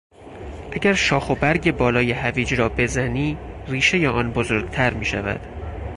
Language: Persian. اگر شاخ و برگ بالای هویج را بزنی ریشهی آن بزرگتر میشود.